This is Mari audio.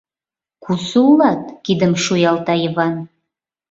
— Кусо улат? — кидым шуялта Йыван.